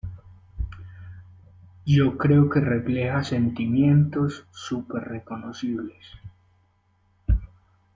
Yo creo que refleja sentimientos súper reconocibles".